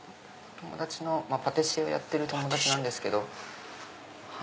パティシエをやってる友達なんですけど。